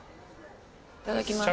いただきます。